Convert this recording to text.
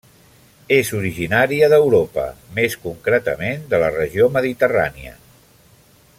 És originària d'Europa, més concretament de la regió mediterrània.